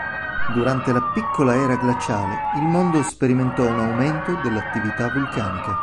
Durante la piccola era glaciale il mondo sperimentò un aumento dell'attività vulcanica.